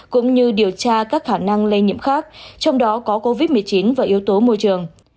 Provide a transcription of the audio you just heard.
cũng như điều tra các khả năng lây nhiễm khác trong đó có covid một mươi chín và yếu tố môi trường